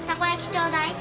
ちょうだい。